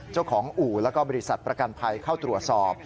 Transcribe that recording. เจ้าของอู่แล้วก็บริษัทประกันภัยเข้าตรวจสอบ